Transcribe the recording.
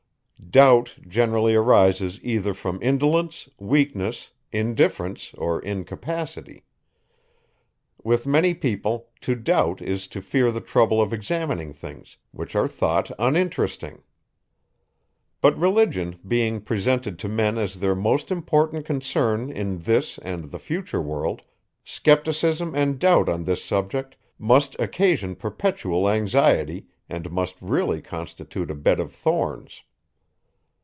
Doubt generally arises either from indolence, weakness, indifference, or incapacity. With many people, to doubt is to fear the trouble of examining things, which are thought uninteresting. But religion being presented to men as their most important concern in this and the future world, skepticism and doubt on this subject must occasion perpetual anxiety and must really constitute a bed of thorns.